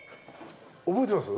覚えてます？